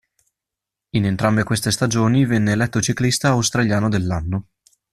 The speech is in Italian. In entrambe queste stagioni venne eletto ciclista australiano dell'anno.